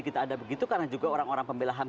kita ada begitu karena juga orang orang pembelahan